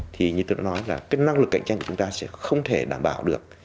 thì như tôi đã nói là cái năng lực cạnh tranh của chúng ta sẽ không thể đảm bảo được